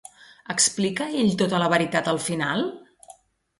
Explica ell tota la veritat al final?